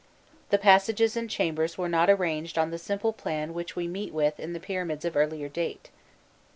The passages and chambers are not arranged on the simple plan which we meet with in the pyramids of earlier date.